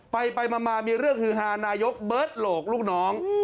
ไปมามีเรื่องฮือฮานายกเบิร์ตโหลกลูกน้อง